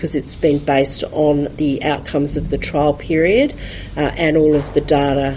karena itu berdasarkan hasil perubahan dan semua data